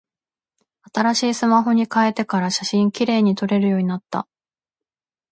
新しいスマホに変えてから、写真綺麗に撮れるようになった。